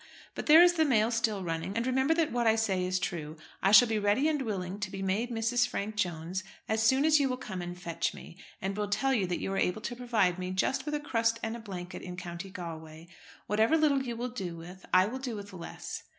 But there is the mail still running, and remember that what I say is true. I shall be ready and willing to be made Mrs. Frank Jones as soon as you will come and fetch me, and will tell me that you are able to provide me just with a crust and a blanket in County Galway. Whatever little you will do with, I will do with less."